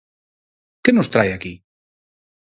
¿Que nos trae aquí?